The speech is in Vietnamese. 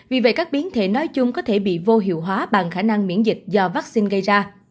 vì vậy các biến thể nói chung có thể bị vô hiệu hóa bằng khả năng miễn dịch do vaccine gây ra